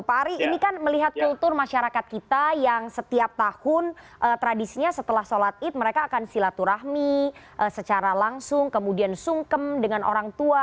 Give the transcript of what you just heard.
pak ari ini kan melihat kultur masyarakat kita yang setiap tahun tradisinya setelah sholat id mereka akan silaturahmi secara langsung kemudian sungkem dengan orang tua